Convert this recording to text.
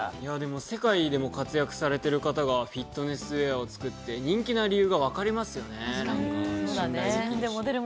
世界でも活躍されている方がフィットネスウエアを作って人気の理由が分かりますね。